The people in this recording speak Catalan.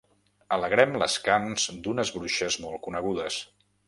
Alegrem les carns d'unes bruixes molt conegudes.